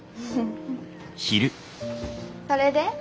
それで？